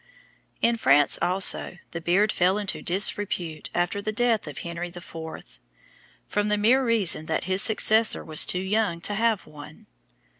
In France also the beard fell into disrepute after the death of Henry IV., from the mere reason that his successor was too young to have one.